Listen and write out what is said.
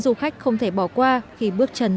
du khách không thể bỏ qua khi bước chân